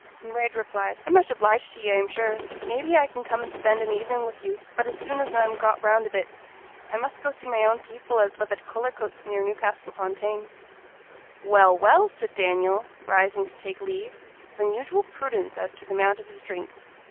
Kinraid replied, 'I'm much obliged to ye, I'm sure; maybe I can come and spend an ev'ning wi' you; but as soon as I'm got round a bit, I must go see my own people as live at Cullercoats near Newcastle upo' Tyne.' 'Well, well!' said Daniel, rising to take leave, with unusual prudence as to the amount of his drink.